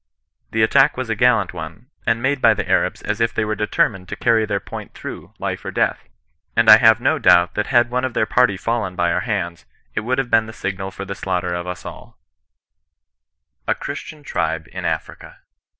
The attack was a gallant one, and made by the Arabs as if they were determined to carry their point through life or death. And I have no doubt that had one of their party ^llen by our hands, U would have been the signal for the slaughter of us alL" CHRISTIAN NON RESISTANCE. llj A CHRISTIAN TRIBE IN AFRICA.